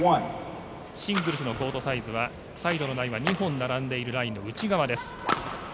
シングルスのコートサイズはサイドのラインは２本並んでいるラインの内側です。